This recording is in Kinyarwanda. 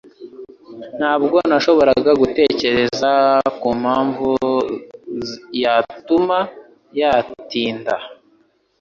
Ntabwo nashoboraga gutekereza kumpamvu yatuma yatinda.